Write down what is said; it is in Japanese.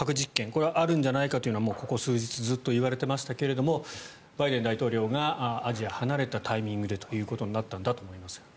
これはあるんじゃないかというのはここ数日ずっと言われていましたがバイデン大統領がアジアを離れたタイミングでとなったと思いますが。